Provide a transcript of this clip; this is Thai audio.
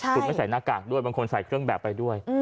คุณไม่ใส่หน้ากากด้วยบางคนใส่เครื่องแบบไปด้วย